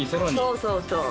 そうそうそう。